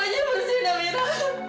ibu aja yang bersihin amira